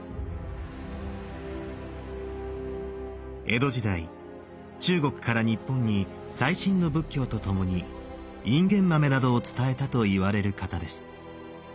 江戸時代中国から日本に最新の仏教とともにいんげん豆などを伝えたといわれる方です。